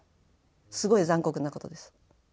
すごい残酷なことです。